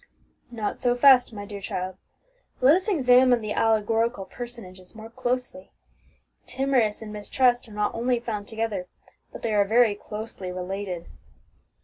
"Not so fast, my dear child. Let us examine the allegorical personages more closely. Timorous and Mistrust are not only found together, but they are very closely related."